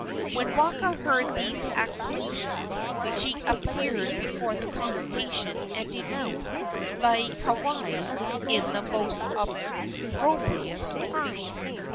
When Waka heard these acclamations she appeared before the congregation and denounced Laieikawai in the most opprobrious terms.